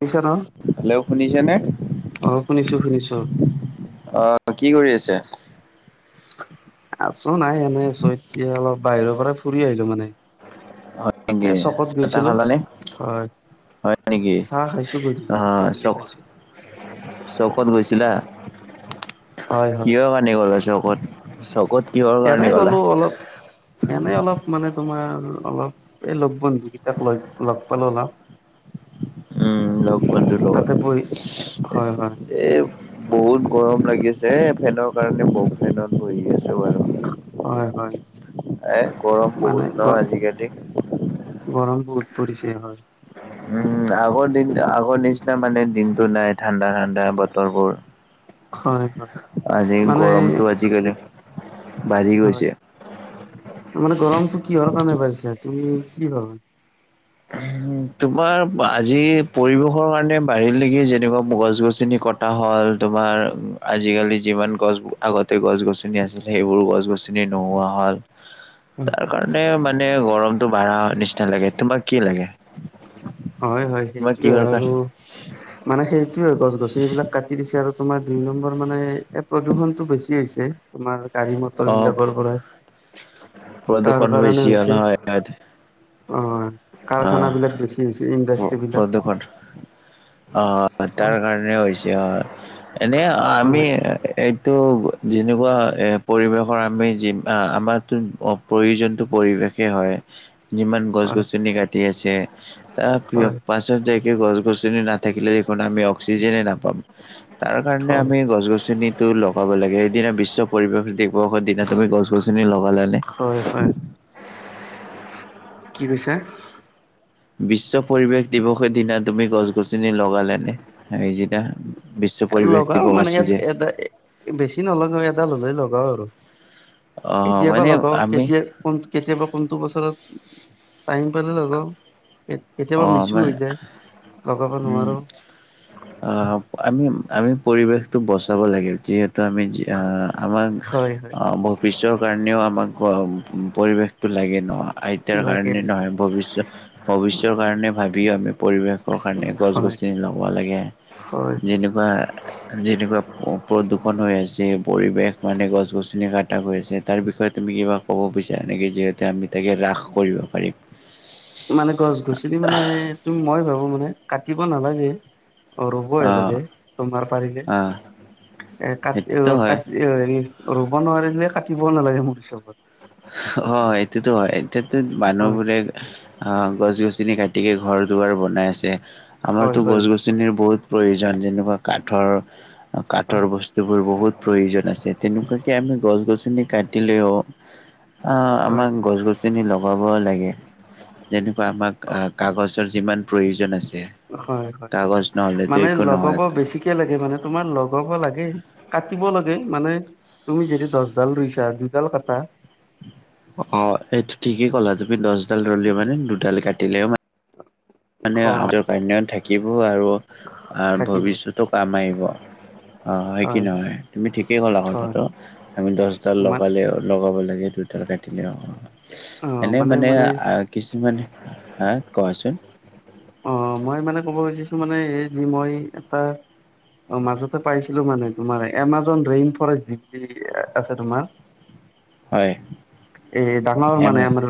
শুনিছা ন? হেল্ল' শুনিছানে? অ', শুনিছো শুনিছো। আহ, কি কৰি আছে? আছো নাই এনেই আছো। এতিয়া অলপ বাহিৰৰ পৰা ফুৰি আহিলো মানে। হয় নেকি এই চকত চা তা গৈছিলো খালা নে? হয় হয় নেকি। চাহ খাইছো গধূলি অহ গধূলি চখ। খাইছো। চকত গৈছিলা? হয় হয় কিহৰ কাৰণে গ'লা চকত। চকত কিহৰ কাৰণে এনেই গলা? গ'লো অলপ এনেই অলপ মানে। তোমাৰ অলপ এই লগ বন্ধু কেইটাক লগ লগ পালো অলপ। উম লগ বন্ধ লগত। তাতে বহি হয় হয় এ বহুত গৰম লাগিছে এ ফেনৰ কাৰণে ব ফেনত আছো। এ হয় হয় গৰম মানে বহুত ন গ আজিকালি। গৰম বহুত পৰিছে হয়। উম আগৰ দিন আগৰ নিচিনা মানে দিনতো নাই ঠাণ্ডা ঠাণ্ডা বতৰবোৰ। হয় হয় আজি মানে গৰমটো আজিকালি বাঢ়ি হয় গৈছে। মানে গৰমটো কিহৰ কাৰণে বাঢ়িছে তুমি কি ভাবা। উহো, তোমাৰ আজি পৰিৱেশৰ কাৰণে বাহিৰলৈকে যেনেকুৱা গছ গছনি। কটা হ'ল তোমাৰ আজিকালি যিমান গছ আগতে গছ গছনি আছিল সেইবোৰ গছ গছনি। চিনে নোহোৱা হল। তাৰ কাৰণে মানে গৰমটো বাঢ়া নিচিনা লাগে। তোমাক কি লাগে? হয় হয় তোমাৰ সেইটোয়ে কিহৰ হয় আৰু কাৰণে? মানে সেইটোয়ে গছ গছনিবিলাক কাটি দিছে। আৰু তোমাৰ দুই নম্বৰ মানে এ প্ৰদূষণ টো বেছি হৈছে। তোমাৰ গাড়ী মটৰ অ', বিলাকৰ পৰা। তাৰ প্ৰদূষণ কাৰণে বেছি হ'ল হৈছে। হয়, হয়। অ কাৰখানা অ', বিলাক বেছি। কি হৈছে প্ৰ- ইণ্ডাষ্ট্ৰ্ৰী বিলাক। প্ৰদূষণ অ তাৰ হয় কাৰণে হৈছে অ। এনে আমি হয় এইটো যেনেকুৱা এ পৰিৱেশৰ আমি জিমা আমাটো প্ৰয়োজনতো পৰিৱেশে হয়। হয়। যিমান গছ গছনি কাটি আছে তাৰ পিয় হয় পাছত যাইকে গছ গছনি। নাথাকিলে দেখোন আমি অক্সিজেনেই নাপাম। তাৰ কাৰণে হয় আমি গছ গছনিটো লগাব লাগিব। সেইদিনা বিশ্ব পৰিৱেশ দিৱসৰ দিনা তুমি গছ গছনি লগালানে? হয় হয় কি কৈছা? বিশ্ব পৰিৱেশ দিৱসৰ দিনা তুমি গছ গছনি লগালোনে? সেইদিনা। আৰু লগাও মানে ইয়াত এটা বেছি নলগাও। এডাল হলে লগাও আৰু। অ' কেতিয়াবা মানে লগাও। আমি কেতিয়া কোন কেতিয়াবা কোনটো বছৰত। টাইম পালে লগাও। কেতিয়াবা অ' মিছো মানে হৈ যায়। লগাব উম। নোৱাৰো। অ আমি আমি পৰিৱেশতটো বচাব লাগে যিহেতু। ত আমি আমাক হয় হয় ভবিষ্যৰ কাৰণেও আমাক। কৰা উ পৰিৱেশটো লাগে নহ, আইতাৰ লাগে কাৰণে লাগে নহয় ভৱিষ্য ভৱিষ্য। কিয় কাৰণে ভাবিও আমি পৰিৱেশৰ কাৰণে গছ হয় গছনি লগাব লাগে। হয় হয় যেনেকুৱা যেনেকুৱা প্ৰদূষণ হৈ আছে। পৰিৱেশ মানে গছ গছনি। টা গৈ আছে তাৰ বিষয়ে তুমি কিবা ক'ব বিচাৰা নেকি। যিহেতু আমি তাকে ৰাস কৰিব পাৰিম। মানে গছ গছনি মানে তুমি মই ভাবো মানে কাটিব নালাগে। অ ৰুবইএ অ' লাগে তোমাৰ পাৰিলে। অ' এ কাট সেইটোতো হয়। কাট, হেৰি ৰুব নোৱাৰিম যে কাটিবও নালাগে মোৰ হিচাপত। অ এইটোতো হয় এইটোতোত হয় মানুহবোৰে অ গছ গছনি কাটি। গতিকে ঘৰ দুৱাৰ বনাই আছে। হয় আমাৰতো হয় গছ গছনিৰ বহুত। প্ৰয়োজন যেনেকুৱা কাঠৰ কাঠৰ বস্তুবোৰ বহুত প্ৰয়োজন আছে তেনেকুৱা। আমি গছ গছনি কাটিলেও অ হয় আমাক গছ গছনি লগাব লাগে যেনেকুৱা আমাক আহ কাগজ যিমান প্ৰয়োজন আছে হয় হয় কাগজ নহলেতো মানে একো লগাব নহয় বেছিকে লাগে মানে তোমাৰ লগ লগাব লাগে কাটিব লাগে মানে তুমি যদি দহডাল ৰুইছা দুইডাল কাটা। [inaudible] অ এইটো ঠিকেই ক'লা তুমি দহ ডাল ৰুলা মানে দুডাল কাটিলেও মান মানে অ অন্য থাকিব আৰু থাকিব ভৱিষ্যতো কাম আহিব। অ হয় কি নহয় তুমি ঠিকেই ক'লা হয় কথাতো আমি দহডাল মান লগালে লগাব লাগে দুডাল কাটিলে অ অ এনে মানে আহ কিছুমান হা কোৱাচোন অ মই মানে ক'ব খুজিছো মানে এই যি মই এটা অ মাজতে পাইছিলো মানে তোমাৰ এমাজন ৰেইন ফৰেষ্ট ডি আছে তোমাৰ [inaudible] হয় এই ডাঙৰ এম মানে আমাৰ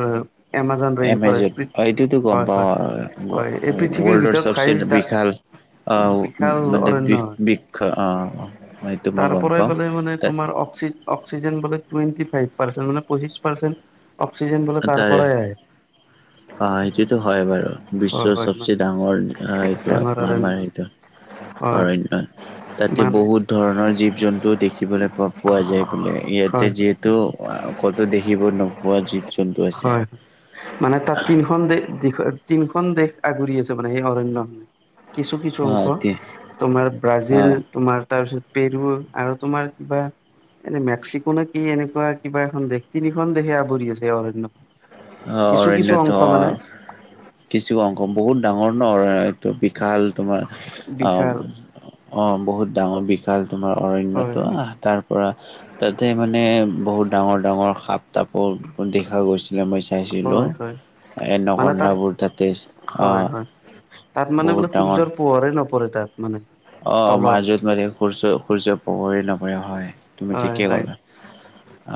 এমাজন ইনফ হয় এমেজন অ এইটোতো গম হয় পাওঁ [unintelligible] হয় এই পৃথিৱীৰ ৱৰ্ল্ডৰ ভিতৰত চবচে খাইজ দাক বিশাল আহ [unintelligible] বিশাল মানে বি অৰণ্য হয় বিখ্য অ সেইটো মই তাৰ গম পৰাই পাওঁ পালে মানে তাত তোমাৰ অক্সি [unintelligible] অক্সিজেনলে তুৱেণ্টি ফাইভ নে পঁচি পাৰ্চেণ্ট [unintelligible] অক্সিজেন বুলিলে তাৰ তাৰে পৰাই আহ [unintelligible] অ সেইটোতো হয় বাৰু হয় বিশ্বৰ হয় ইমান চবচে ডাঙৰ এইটো ডাঙৰ আমাৰ অৰণ্য এইটো হয় অৰণ্য তাতে মানে বহুত ধৰণৰ জীৱ জন্তুও দেখিবলৈ প পোৱা যায় বুলি [unintelligible] ইয়াতে হয় হয় যিহেতু কতো দেখিব নোপোৱা যি হয় হয় মানে তাত তিনিখন তিনিখন দেশ আগুৰি আছে মানে সেই অৰণ্য [unintelligible] কিছু কিছু অংশ অতি তোমাৰ অ ব্ৰাজিল তোমাৰ তাৰপিছত পেৰু আৰু তোমাৰ কিবা এনে মেক্সিকো নে কি এনেকুৱা কিবা এখন দেশ তিনিখন দেশে আৱৰি আছে অ কিছু কিছু অৰণ্যত অংশ মানে কিছু অংক বহুত ডাঙৰ ন এইটো বিশাল তোমাৰ অ বিশাল অ বহুত ডাঙৰ বিশাল তোমাৰ হয় অৰণ্যটো হয় আহ তাৰ পৰা তাতে মানে বহুত ডাঙৰ ডাঙৰ সাপ তাপৰ দেখা গৈছিলে মই চাইছিলোঁ হয় হয় এ মানে তাত নকন্ধাবোৰ তাতে হয় হয় তাত মানে বহুত বোলে ডাঙৰ সূৰ্যৰ পোহৰে নপৰে তাত মানে অ তলত মাজত মাজে সূৰ্য সূৰ্য পহৰ নাপৰে হয় তুমি হয় ঠিকে হয় গলা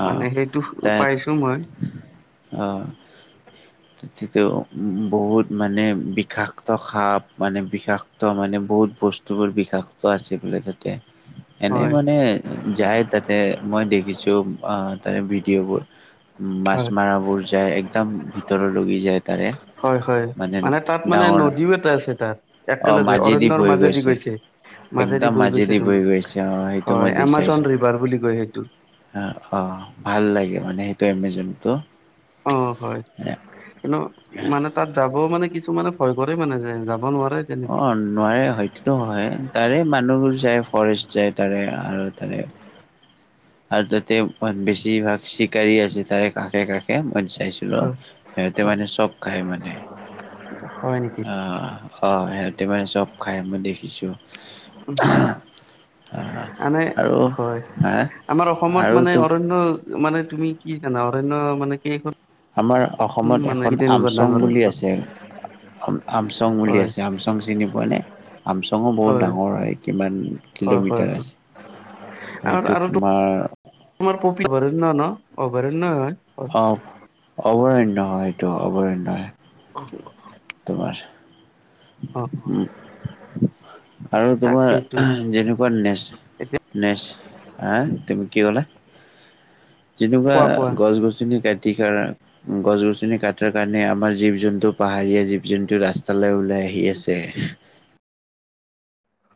আহ মানে সেইটো ত পাইছো মই [unintelligible] অঁ তেতি উ বহুত মানে বিষাক্ত সাপ মানে বিষাক্ত মানে [unintelligible] মানে বহুত বস্তুবোৰ বিষাক্ত আছে বোলে যাতে উ এনে মানে যায় তাতে মই দেখিছোঁ ত ভিডিঅ'বোৰ উ মাছ হয় মৰা বোৰ যায় একদম ভিতৰ লি যায় তাৰে হয় হয় মানে তাত মানে ডাঙৰ নদীও এটা আছে তাত অ', একেলগে মাজেদি অৰণ্যৰ বৈ মাজেদি গৈছে মাজেদি একদম বৈ গৈছে বৈ তোমাক গৈছে অ', সেইটো হয় এমাজন ৰিভাৰ বুলি কয় সেইটো [unintelligible] অ অ ভাল লাগে মানে সেইটো এমেজনটো অ হয় কিন্তু মানে তাত যাবও মানে কিছু মানে ভয় কৰে মানে যে যাব নোৱাৰে অ তেনেকে নোৱাৰে হয়তো হয় তাৰে মানুহবোৰ যায় ফৰেষ্ট যায় তাৰে আৰু [unintelligible] তেনে আৰু তাতে বেছিভাগ শিকাৰী আছে তাৰে কাষে কাষে ম চাইছিলো হয় সিহঁতে হয় মানে চব খাই মানে হয় নেকি আ অ সিহতি মানে চব খাই মই দেখিছো। হয আহ, আনে আৰু হয়। [unintelligible] হা আমাৰ অসমত আৰু মানে তো অৰণ্য মানে তুমি কি জানা অৰণ্য মানে কি। আমাৰ অসমত মানে এখন তেনেকুৱা আমচং ডাঙৰ বুলি অৰণ্য আছে। আম আমচং বুলি হয় আছে আমচং চিনি পোৱানে। আমচংও বহুত ডাঙৰ হয় কিমান হয় হয় কিলোমিটাৰ হয় আছে। [unintelligible] এইটো তোমাৰ। অভাৰণ্য ন অভাৰণ্য হয়। অ অভৰণ্য হয়টো অভাৰণ্য হয়। অ। তোমাৰ উম [unintelligible] আৰু তোমাৰ তাকেইতো যেনেকুৱা নেচ। এতিয়া নেচ হা তুমি কি কলা। যেনেকুৱা কোৱা কোৱা গছ গছনি কাইট। ঠিক গছ গছনি কাটাৰ কাৰণে আমাৰ জীৱ জন্তু পাহাৰীয়া জীৱ জন্তু ৰাস্তালৈ ওলায়। আহি আছে। [unintelligible]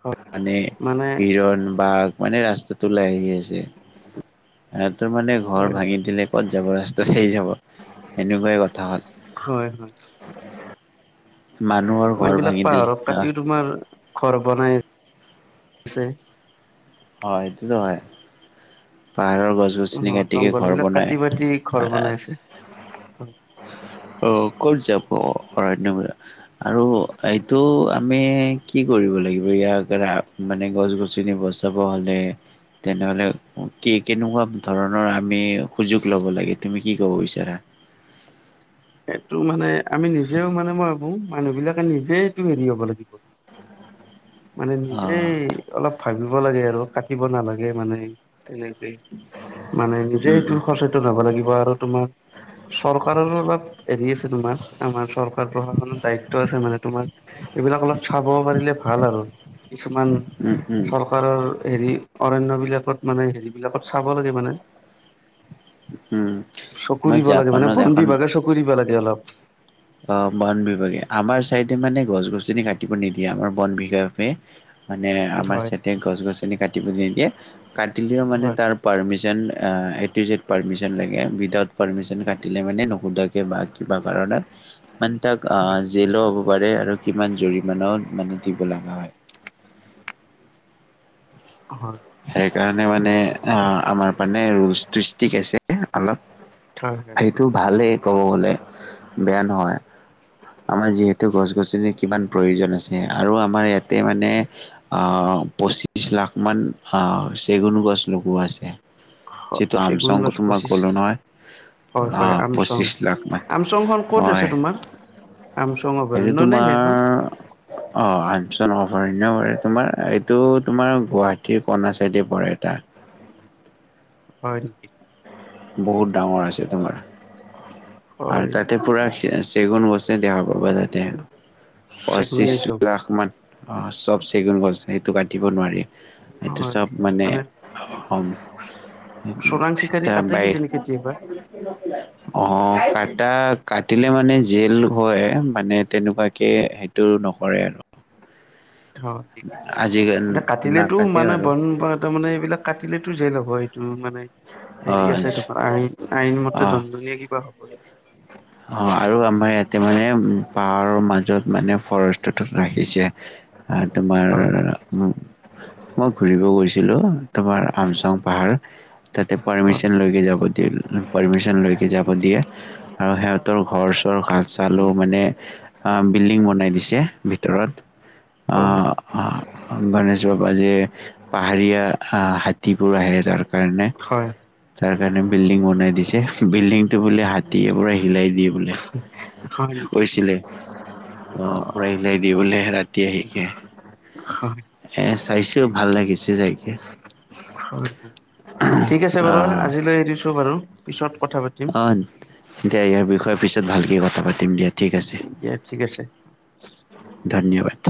হয় মানে মানে হিৰণ বাঘ মানে ৰাস্তা উলাই আহি আছে। সিহঁতৰ মানে ঘৰ হয় ভাঙি হয়। দিলে ক'ত যাব ৰাস্তাত সে যাব এনেকুৱাই কথা হ'ল। হয় মই মানুহৰ ঘৰ এইবিলাক ভাঙি দিলে পাহাৰৰ অ কাটিও তোমাৰ। ঘৰ বনাই ছে। হয় এইটোতো হয় পাহাৰ। গছ অ গছিন কাটিকে জংঘল ঘৰ বিলাক বনাই কাটি বাটি ঘৰ আ। বনাই আছে। অ কত যাব। অৰাণ্য [inaudible] আৰু এইটো আমি কি কৰিব লাগিব ইয়াৰ [inaudible] মানে গছ -গছনি বচাব হ'লে। তেনেহলে কি কেনেকুৱা ধৰণৰ আমি সুযোগ ল'ব লাগে তুমি কি ক'ব বিচাৰা। এইটো মানে আমি নিজেওঁ মানে মই ভাবো মানুহ বিলাকে নিজে এইটো হেৰি হ'ব লাগে। মানে অ নিজেই অলপ ভাবিব লাগে আৰু কাটিব নালাগে মানে। তেনেকেই মানে নিজেই উম টো উম সচেতন হব লাগিব আৰু তোমা। চৰকাৰৰ। হেৰি আছে তোমাৰ আমাৰ চৰকাৰ প্ৰশাসনৰ দায়িত্ব আছে মানে তোমাৰ এইবিলাক অলপ চাব পাৰিলে। ভাল আৰু কিছুমান উম উম চৰকাৰৰ হেৰি অৰাণ্য বিলাক মানে হেৰিবিলাকক চাব লাগে মানে। উম মই চকুৰিব লাগে মানে জাপানত বন বিভাগে চকুৰিব লাগে অলপ। অঁ বন বিভাগে আমাৰ চাইডে মানে গছ গছনি কাটিব নিদিয়ে আমাৰ বন বিভাগে। মানে আমাৰ হয় চেতে গছ গছনি কাটিবলৈ নিদিয়ে কাটিলেও মানে হয় তাৰ পাৰ্মিশন আ। এটি জেড পাৰ্মিশন লাগে উইডাউট পাৰ্মিচন কাটিলে মানে নোশোধাকে বা কিবা কাৰণত। মানে তাক অঁ হয় জেলো হ'ব পাৰে আৰু কিমান জৰিমাও মানে। দিব লগা হয়। হয় সেইকাৰণে মানে অ আমাৰ মানে লষ্টিক আছে অলপ। সেইটো ভালেই ক'ব গলে বেয়া নহয়। আমাৰ যিহেতু গছ গছনি কিমান। প্ৰয়োজন আছে আৰু আমাৰ ইয়াতে মানে পঁচিছ লাখমানা। আহ চেগুনো গছ লগোৱা আছে হয় যিটো চেগুন আমচং গছ কুটুম্বাক পঁচিছ গলো নহয়। হয় আ হয় আমচং পঁচিছ লাখ মান আমচংখন ক'ত আছে হয়। তোমাৰ আমচং এইটো অভয়াৰণ্য নে সেইখন তোমাৰ অ আঠশজন ন। অৰণ্য বৰে তোমাৰ এইটো তোমাৰ গুৱাহাটীৰ কণ চাইডে পৰে এটা। হয়। বহুত ডাঙৰ আছে তোমাৰ আৰু হয় তাতে পুৰা চেগুন গছ। দে-দে হব পাৰা দে পঁচিছ চেগুনেই চব লাখ মান। অঁ চব চেগুন গছ সেইটো কাটিব নোৱাৰি এইটো চব মানে অসম চোৰাং চিকাৰী কাটে বাই কিজানি কেতিয়াবা অঁ অঁ কটা কাটিলে মানে জেল হয় মানে তেনেকুৱাকে সেইটো নকৰে আৰু [unintelligible] হয় নেকি আজি এয়া কাটিলেতটো নাকাটে মানে বাৰু বণ তাৰমানে এইবিলাক কাটিলো এইটো জেল হ'ব এইটো মানে অ হেৰি আছে তোমাৰ আইন আইন মতে দণ্ডনীয় কিবা হ'ব অঁ আৰু আমাৰ ইয়াতে মানে পাহাৰৰ মাজত মানে ফৰেষ্টততোত ৰাখিছে আৰু তোমাৰ মই ঘুৰিব গৈছিলোঁ তোমাৰ আমচাং পাহাৰ তাতে হয় পাৰ্মিশন লৈকে যাব দিয়ে পাৰ্মিশন লৈকে যাব দিয়ে। আৰু সিহঁতৰ ঘৰ চৰ কাষ চালো, মানে অ বিল্ডিং বনাই দিছে ভিতৰত। অ হয় গণেশ বাবা যে পাহাৰীয়া আহ হাতীবোৰ আহে যাৰ কাৰণে হয় তাৰ সেই কাৰণে বিল্ডিং বনাই দিছে। বিল্ডিং টো বোলে হাতীয়ে পোৰা হিলাই দিয়ে বোলে। হয় নেকি কৈছিলে এ। অ পোৰা হিলাই দিয়ে বোলে ৰাতি আহিকে। হয় এ চাইছোও, ভাল লাগিছে যাইকে। হয়, ঠিক আছে অ বাৰু। আজিলৈ এৰিছো বাৰু। পিছত কথা পাতিম অ দিয়া। ইয়াৰ বিষয়ে পিছত ভালকে কথা পাতিম দিয়া। ঠিক আছে। দিয়া ঠিক আছে। ধন্যবাদ